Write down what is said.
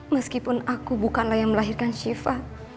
meskipun aku bukanlah yang melahirkan syifa